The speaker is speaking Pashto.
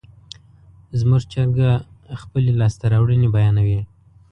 زموږ چرګه خپلې لاسته راوړنې بیانوي.